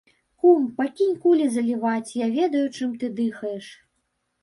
Кум, пакінь кулі заліваць, я ведаю, чым ты дыхаеш.